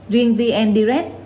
riêng vn direct